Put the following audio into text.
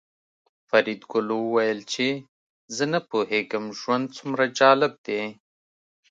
فریدګل وویل چې زه نه پوهېږم ژوند څومره جالب دی